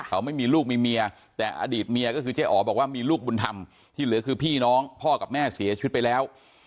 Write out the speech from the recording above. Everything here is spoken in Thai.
เขาไม่มีลูกมีเมียแต่อดีตเมียก็คือเจ๊อ๋อบอกว่ามีลูกบุญธรรมที่เหลือคือพี่น้องพ่อกับแม่เสียชีวิตไปแล้ว